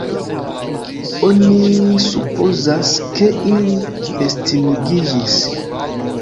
Oni supozas, ke ili estingiĝis.